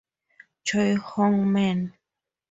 Choi Hong Man.